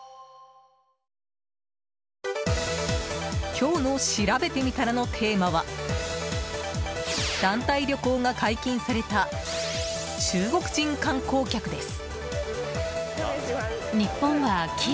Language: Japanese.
今日のしらべてみたらのテーマは団体旅行が解禁された中国人観光客です。